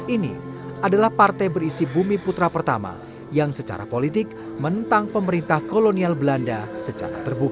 ini adalah partai berisi bumi putra pertama yang secara politik menentang pemerintah kolonial belanda secara terbuka